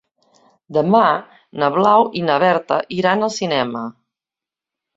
Demà na Blau i na Berta iran al cinema.